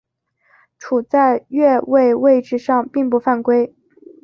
处在越位位置上并不犯规。